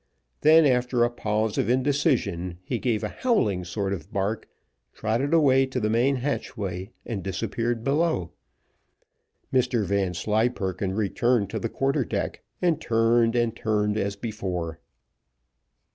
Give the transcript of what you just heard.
Then, after a pause of indecision, he gave a howling sort of bark, trotted away to the main hatchway, and disappeared below. Mr Vanslyperken returned to the quarter deck, and turned, and turned as before.